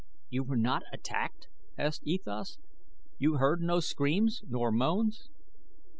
"You were not attacked?" asked E Thas. "You heard no screams, nor moans?"